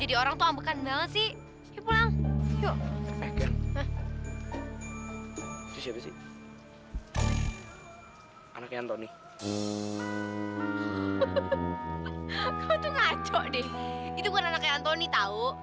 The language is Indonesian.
itu bukan anaknya antoni tau